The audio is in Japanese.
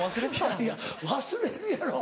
・いやいや忘れるやろ。